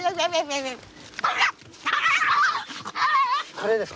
これです。